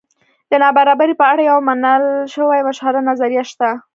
د نابرابرۍ په اړه یوه منل شوې مشهوره نظریه شته.